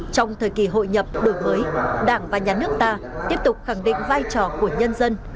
trong thời kỳ hội nhập đổi mới đảng và nhà nước ta tiếp tục khẳng định vai trò của nhân dân